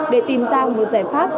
để tìm ra một giải pháp